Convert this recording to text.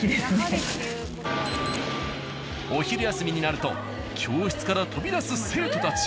お昼休みになると教室から飛び出す生徒たち。